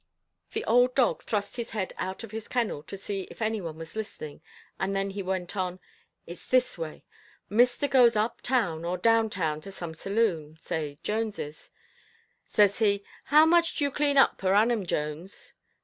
The old dog thrust his head out of his kennel, to see if any one was listening, then he went on. "It's this way. Mister goes up town or down town to some saloon say Jones'. Says he, 'How much do you clean up per annum, Jones?